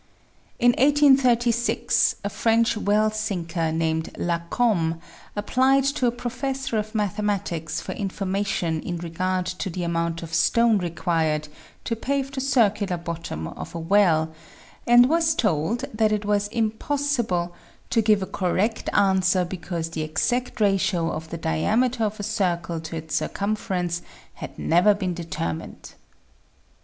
In 1836, a French well sinker named Lacomme, applied to a professor of mathematics for information in regard to the amount of stone required to pave the circular bottom of a 28 THE SEVEN FOLLIES OF SCIENCE well, and was told that it was impossible " to give a correct answer, because the exact ratio of the diameter of a circle to its circumference had never been determined